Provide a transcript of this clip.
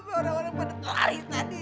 orang orang pada lari tadi